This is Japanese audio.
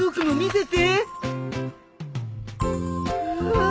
うわ！